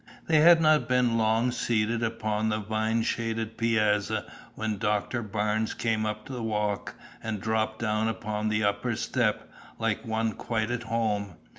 They had not been long seated upon the vine shaded piazza when Doctor Barnes came up the walk and dropped down upon the upper step, like one quite at home.